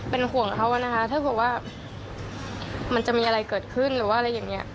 เป็นห่วงเขานะคะถ้าเผื่อว่ามันจะมีอะไรเกิดขึ้นหรือว่าอะไรอย่างนี้